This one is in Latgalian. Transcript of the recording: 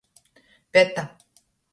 Peta.